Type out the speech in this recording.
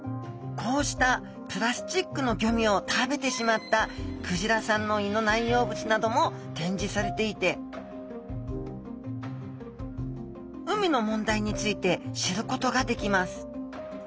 こうしたプラスチックのゴミを食べてしまったクジラさんの胃の内容物なども展示されていて海の問題について知ることができます